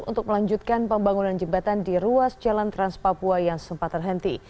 untuk melanjutkan pembangunan jembatan di ruas jalan trans papua yang sempat terhenti